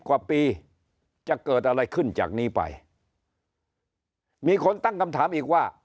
กว่าปีจะเกิดอะไรขึ้นจากนี้ไปมีคนตั้งคำถามอีกว่า